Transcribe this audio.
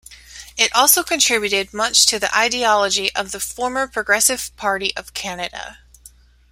It also contributed much to the ideology of the former Progressive Party of Canada.